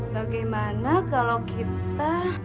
bagaimana kalau kita